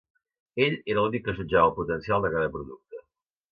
Ell era l'únic que jutjava el potencial de cada producte.